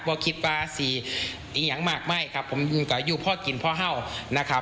ว่าคิดว่าสิอิงหยังมากมายครับผมอยู่ก็อยู่พ่อกินพ่อเห้านะครับ